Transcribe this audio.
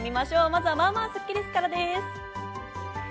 まずはまぁまぁスッキりすからです。